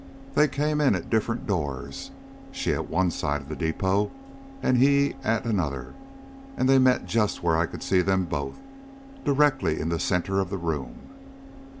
They came in at different doors, she at one side of the depot and he at another, and they met just where I could see them both, directly in the centre of the room.